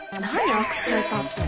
アクチュエーターって。